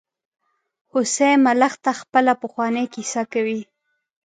هوسۍ ملخ ته خپله پخوانۍ کیسه کوي.